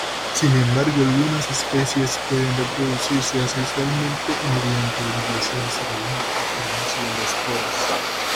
Sin embargo, algunas especies pueden reproducirse asexualmente, mediante división celular o formación de esporas.